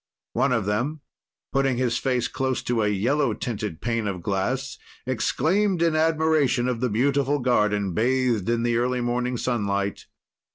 "One of them, putting his face close to a yellow tinted pane of glass, exclaimed in admiration of the beautiful garden, bathed in the early morning sunlight.